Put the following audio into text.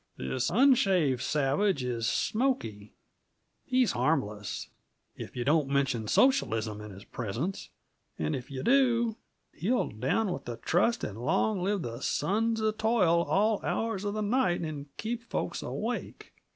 "This unshaved savage is Smoky. He's harmless, if yuh don't mention socialism in his presence; and if yuh do, he'll down with the trust and long live the sons uh toil, all hours uh the night, and keep folks awake.